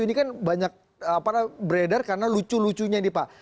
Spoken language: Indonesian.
ini kan banyak beredar karena lucu lucunya nih pak